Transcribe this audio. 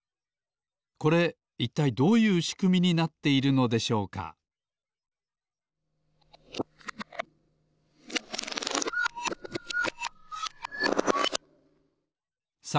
これいったいどういうしくみになっているのでしょうかさ